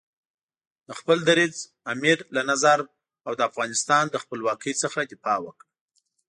د خپل دریځ، امیر له نظر او د افغانستان له خپلواکۍ څخه دفاع وکړه.